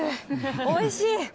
おいしい。